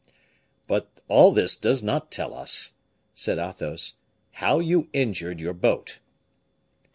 "But all this does not tell us," said Athos, "how you injured your boat."